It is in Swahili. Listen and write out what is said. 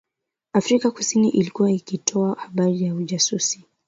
Afrika kusini ilikuwa ikitoa habari za ujasusi